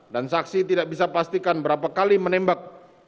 dan saksi tidak bisa pastikan berapa kali menembak